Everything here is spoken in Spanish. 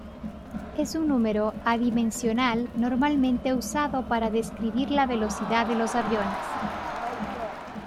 Es un número adimensional normalmente usado para describir la velocidad de los aviones.